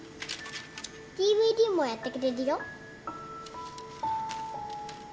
ＤＶＤもやってくれるよ。